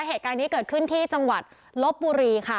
เหตุการณ์นี้เกิดขึ้นที่จังหวัดลบบุรีค่ะ